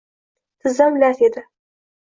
Tizzam lat yedi.